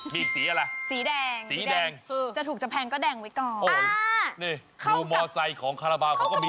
มีสีอะไร